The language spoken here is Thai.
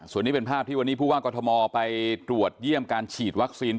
ส่วนนี้เป็นภาพที่วันนี้ผู้ว่ากรทมไปตรวจเยี่ยมการฉีดวัคซีน